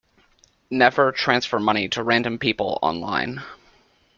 Never transfer money to random people online.